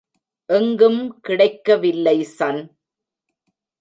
எங்கும் கிடைக்கவில்லை சன்.